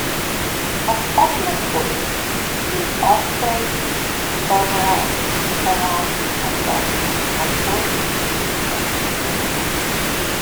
Of special importance: the ospreys, cormorants, herons, and gulls-and four species of sea turtles.